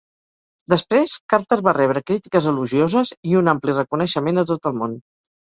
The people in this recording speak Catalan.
Després, Carter va rebre crítiques elogioses i un ampli reconeixement a tot el món.